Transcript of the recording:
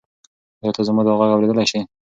ایا ته زما دا غږ اورېدلی شې؟